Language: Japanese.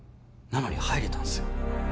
なのに入れたんすよ